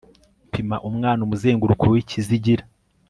pima umwana umuzenguruko w'ikizigira